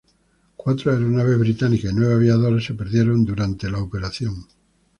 Cuatro aeronaves británicas y nueve aviadores se perdieron durante la operación.